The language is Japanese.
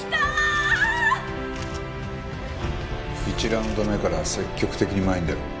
１ラウンド目から積極的に前に出ろ。